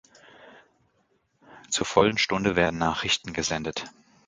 Zur vollen Stunde werden Nachrichten gesendet.